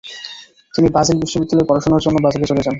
তিনি বাজেল বিশ্ববিদ্যালয়ে পড়াশোনার জন্য বাজেলে চলে যান।